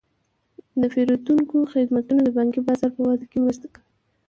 د پیرودونکو خدمتونه د بانکي بازار په وده کې مرسته کوي.